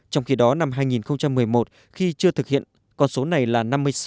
trong khi đó năm hai nghìn một mươi một khi chưa thực hiện con số này là năm mươi sáu